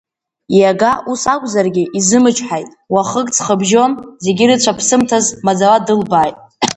Иага ус акәзаргьы изымчҳаит, уахык ҵхыбжьон, зегьы рыцәаԥсымҭаз, маӡала дылбааит.